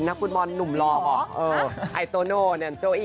เพราะว่าใจแอบในเจ้า